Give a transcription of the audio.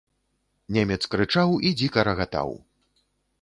Немец крычаў і дзіка рагатаў.